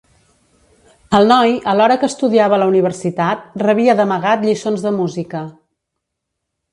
El noi, alhora que estudiava a la universitat, rebia d'amagat lliçons de música.